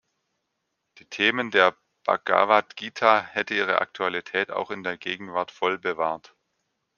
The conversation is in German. Die Themen der Bhagavad Gita hätten ihre Aktualität auch in der Gegenwart voll bewahrt.